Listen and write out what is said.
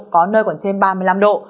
có nơi còn trên ba mươi năm độ